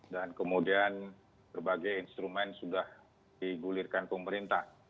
dan kemudian berbagai instrumen sudah digulirkan pemerintah